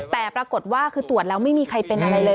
แต่ปรากฏว่าคือตรวจแล้วไม่มีใครเป็นอะไรเลย